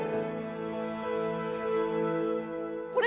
これ？